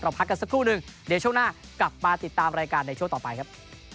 พักกันสักครู่หนึ่งเดี๋ยวช่วงหน้ากลับมาติดตามรายการในช่วงต่อไปครับ